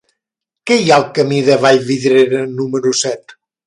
Què hi ha al camí de Vallvidrera número set?